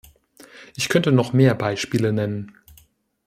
Ich könnte noch mehr Beispiele nennen.